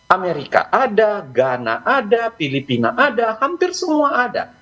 amerika ada ghana ada filipina ada hampir semua ada